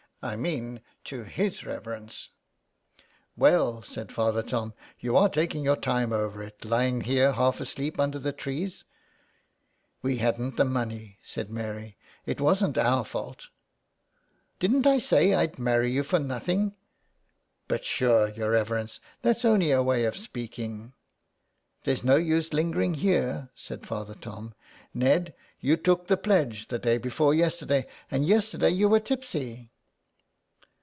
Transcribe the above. " I mean to his reverence." '' Well," said Father Tom, you are taking your time over it, lying here half asleep under the trees." " We hadn't the money," said Mary, " it wasn't our fault." *' Didn't I say I'd marry you for nothing." *' But sure, your reverence, that's only a way of speaking." " There's no use lingering here," said Father Tom. *' Ned, you took the pledge the day before yesterday, and yesterday you were tipsy."